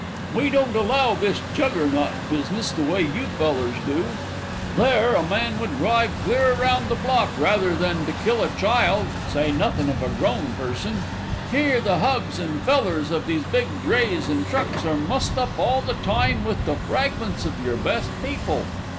We don't allow this Juggernaut business the way you fellers do. There a man would drive clear round the block ruther than to kill a child, say nuthin of a grown person. Here the hubs and fellers of these big drays and trucks are mussed up all the time with the fragments of your best people.